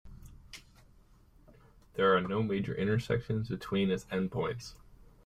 There are no major intersections between its endpoints.